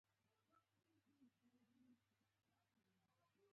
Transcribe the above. دا فني دي.